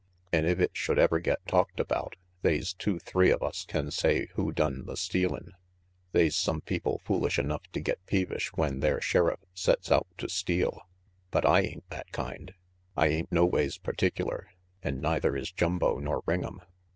An' if it should ever get talked about, they's two three of us can say who done the stealin'. They's some people foolish enough to get peevish when their Sheriff sets out to steal, but I ain't that kind. RANGY PETE 2SS I ain't noways particular, an' neither is Jumbo nor Eing'em.